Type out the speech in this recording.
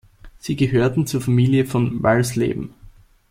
Sie gehörten zur Familie von Walsleben.